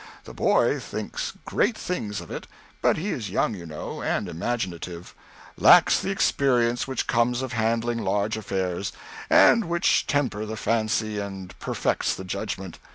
The boy thinks great things of it, but he is young, you know, and imaginative; lacks the experience which comes of handling large affairs, and which tempers the fancy and perfects the judgment.